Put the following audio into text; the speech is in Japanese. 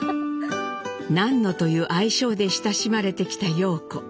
「ナンノ」という愛称で親しまれてきた陽子。